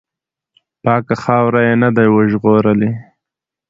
پاکه خاوره یې نه ده وژغورلې.